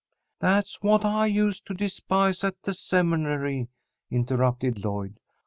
"That's what I used to despise at the Seminary," interrupted Lloyd.